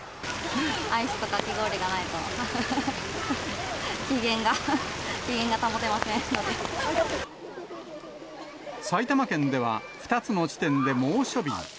アイスとかき氷がないと、機嫌が、埼玉県では、２つの地点で猛暑日に。